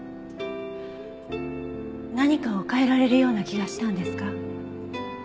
何かを変えられるような気がしたんですか？